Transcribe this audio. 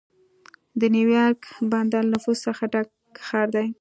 د نیویارک بندر له نفوسو څخه ډک ښار دی.